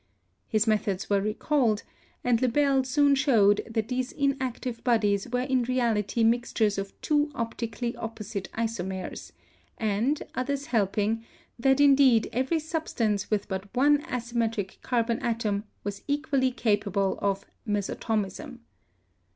His methods were recalled; and Le Bel soon showed that these inactive bodies were in reality mixtures of two optically opposite isomers, and, others helping, that in deed every substance with but one asymmetric carbon atom was equally capable of 'mesotomism.'